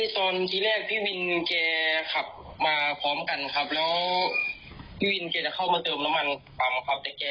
ตอนที่แรกพี่วินแกขับมาพร้อมกันครับแล้วพี่วินแกจะเข้ามาเติมน้ำมันปั๊มครับแต่แก